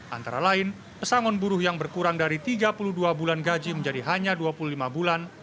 antara lain pesangon buruh yang berkurang dari tiga puluh dua bulan gaji menjadi hanya dua puluh lima bulan